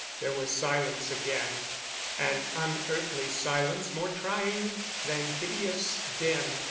There was silence again, an unearthly silence more trying than hideous din.